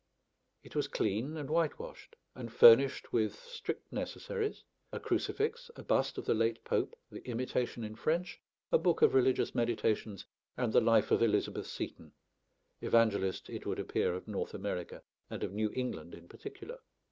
It was clean and whitewashed, and furnished with strict necessaries, a crucifix, a bust of the late Pope, the "Imitation" in French, a book of religious meditations, and the "Life of Elizabeth Seton" evangelist, it would appear, of North America and of New England in particular.